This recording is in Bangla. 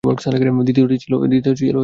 দ্বিতীয়টি ছিল নকল।